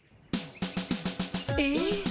え。